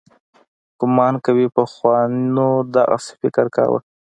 ګومان کوي پخوانو دغسې فکر کاوه.